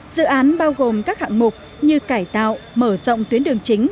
dự án bao gồm các hạng mục như cải tạo mở rộng tuyến đường chính